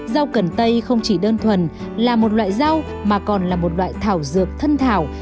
rau cần tây không chỉ đơn thuần là một loại rau mà còn là một loại thảo dược thân thảo